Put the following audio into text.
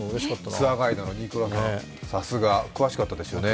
ツアーガイドの新倉さん、詳しかったですね。